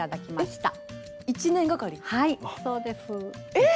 えっ⁉